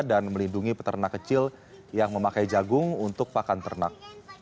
dan melindungi peternak kecil yang memakai jagung untuk pakan ternak